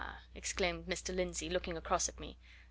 exclaimed Mr. Lindsey, looking across at me.